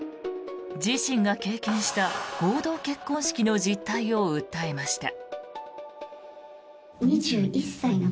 自身が経験した合同結婚式の実態を訴えました。